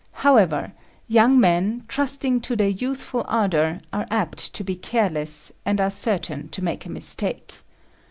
However, young men, trusting to their youthful ardour, are apt to be careless, and are certain to make a mistake.